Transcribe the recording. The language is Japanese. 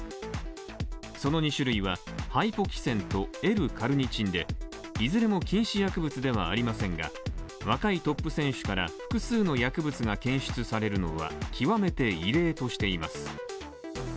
その２種類は、ハイポキセンとＬ−カルニチンで、いずれも禁止薬物ではありませんが若いトップ選手から複数の薬物が検出されるのは極めて異例としています。